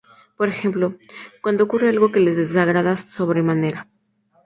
Por ejemplo, cuando ocurre algo que les desagrada sobremanera.